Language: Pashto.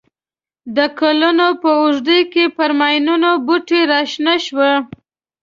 د کلونو په اوږدو کې پر ماینونو بوټي را شنه شوي.